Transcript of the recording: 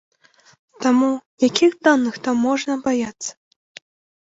Таму, якіх даных там можна баяцца?